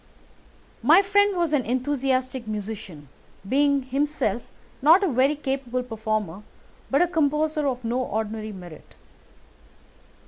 My friend was an enthusiastic musician, being himself not only a very capable performer but a composer of no ordinary merit.